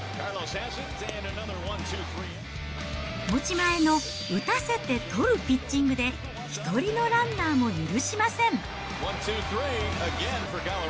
持ち前の打たせて取るピッチングで、１人のランナーも許しません。